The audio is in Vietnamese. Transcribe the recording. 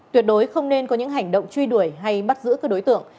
tuyệt đối không nên có những hành động truy đuổi hay bắt giữ các đối tượng